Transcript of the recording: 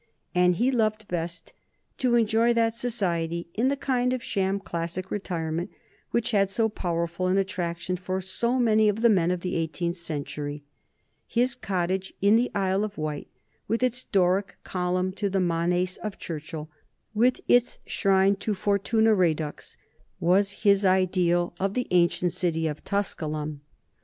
And he loved best to enjoy that society in the kind of sham classic retirement which had so powerful an attraction for so many of the men of the eighteenth century. His cottage in the Isle of Wight, with its Doric column to the manes of Churchill, with its shrine to Fortuna Redux, was his idea of the ancient city of Tusculum.